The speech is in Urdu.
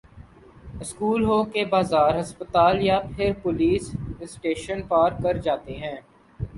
اسکول ہو کہ بازار ہسپتال یا پھر پولیس اسٹیشن پار کر جاتے ہیں